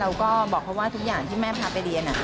เราก็บอกเขาว่าทุกอย่างที่แม่พาไปเรียน